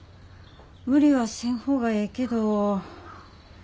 無理はせん方がええけど。